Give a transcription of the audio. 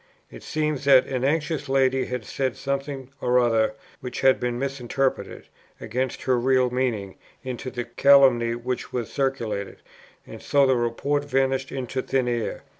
It seems that an anxious lady had said something or other which had been misinterpreted, against her real meaning, into the calumny which was circulated, and so the report vanished into thin air.